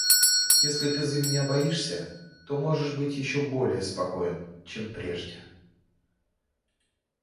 Если ты за меня боишься, то можешь быть еще более спокоен, чем прежде.